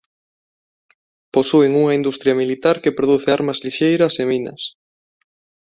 Posúen unha industria militar que produce armas lixeiras e minas.